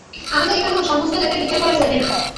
আমাদের এখানে ও-সমস্ত জাতের বিচার করা চলবে না।